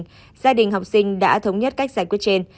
gia đình học sinh đã thống nhất cách giải quyết trên